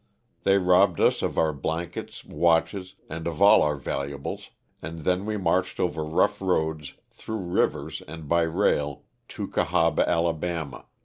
They robbed us of our blankets, watches, and of all our valuables, and then we marched over rough roads, through rivers, and by rail to Cahaba, Ala.